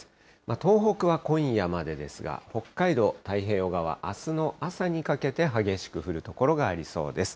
東北は今夜までですが、北海道太平洋側、あすの朝にかけて激しく降る所がありそうです。